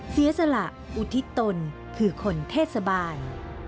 เสียสละอุทิศตนคือคนเทศบาล